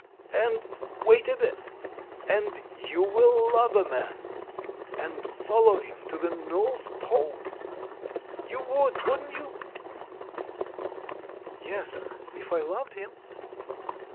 And, wait a bit, and you will love a man and follow him to the North Pole. You would, wouldn't you?" "Yes, if I loved him."